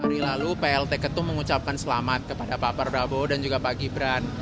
hari lalu plt ketum mengucapkan selamat kepada pak prabowo dan juga pak gibran